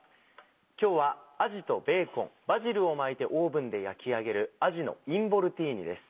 今日はあじとベーコンバジルを巻いてオーブンで焼き上げる「あじのインボルティーニ」です。